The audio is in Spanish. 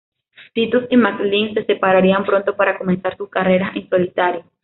Titus y McLean se separarían pronto para comenzar sus carreras en solitario.